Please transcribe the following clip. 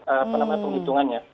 apa namanya penghitungannya